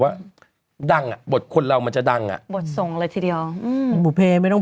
ว่าดังอ่ะบทคนเรามันจะดังอ่ะบทส่งเลยทีเดียวอืมบุเพไม่ต้อง